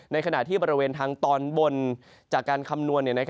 ในขณะที่บริเวณทางตอนบนจากการคำนวณ